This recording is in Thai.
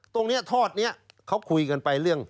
ตรงนี้ทอดนี้เขาคุยกันไปเรื่อง